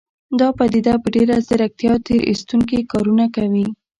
دا پديده په ډېره ځيرکتيا تېر ايستونکي کارونه کوي.